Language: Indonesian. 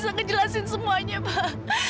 saya ngejelasin semuanya pak